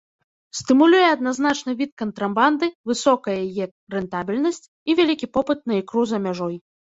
Стымулюе адзначаны від кантрабанды высокая яе рэнтабельнасць і вялікі попыт на ікру за мяжой.